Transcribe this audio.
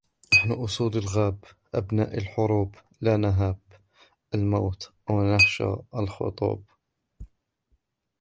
نحن أسود الغاب أبناء الحروب لا نهاب الموت أو نخشى الخطوب